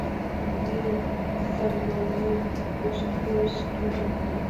— Э-э, сарманай, — воштылеш тудо.